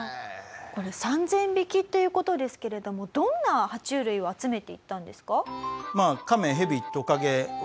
これ３０００匹っていう事ですけれどもどんな爬虫類を集めていったんですか？